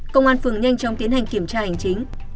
công an phường nhanh chóng tiến hành kiểm tra hành chính